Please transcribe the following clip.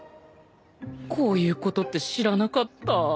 こういうことって知らなかった。